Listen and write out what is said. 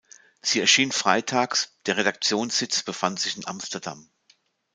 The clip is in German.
Sie erschien freitags, der Redaktionssitz befand sich in Amsterdam.